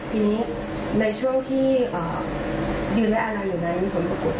ทีนี้ในช่วงที่อยู่ในมีผลประกุศ